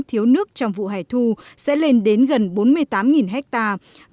thiếu nước trong vụ hẻ thu sẽ lên đến gần bốn mươi tám hectare